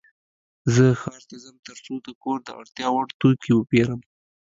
زه ښار ته ځم ترڅو د کور د اړتیا وړ توکې وپيرم.